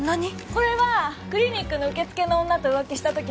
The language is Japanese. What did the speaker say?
これはクリニックの受付の女と浮気したときのやつ。